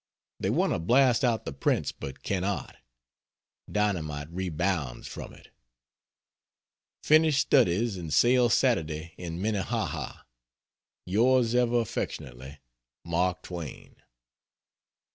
They want to blast out the prints but cannot. Dynamite rebounds from it. Finished studies and sail Saturday in Minnehaha. Yours ever affectionately, MARK TWAIN.